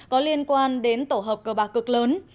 có liên quan đến tổ hợp cờ bạc cực lớn